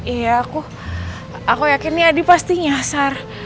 iya aku aku yakin nih adi pasti nyasar